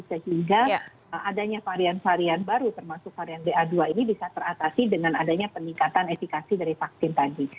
sehingga adanya varian varian baru termasuk varian ba dua ini bisa teratasi dengan adanya peningkatan efikasi dari vaksin tadi